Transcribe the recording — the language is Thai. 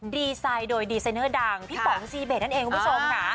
ดีไซน์โดยดีไซเนอร์ดังพี่ป๋องซีเบสนั่นเองคุณผู้ชมค่ะ